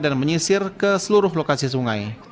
dan menyisir ke seluruh lokasi sungai